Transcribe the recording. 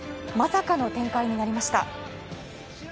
まさかの展開になりました。